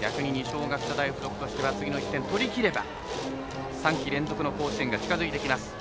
逆に二松学舎大としては次の１点とりきれば３季連続の甲子園が近づいてきます。